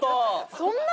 そんな？